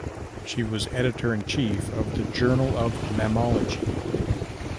She was editor in chief of the "Journal of Mammalogy".